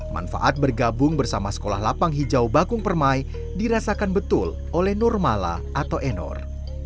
manfaat bergabung bersama sekolah lapang hijau bakung permai dirasakan betul oleh nurmala atau enor